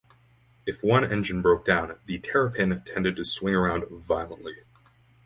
If one engine broke down, the Terrapin tended to swing around violently.